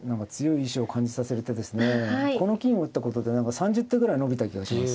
この金を打ったことで３０手ぐらい伸びた気がします。